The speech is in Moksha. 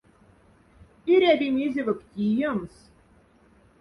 Эряви мезевок тиемс.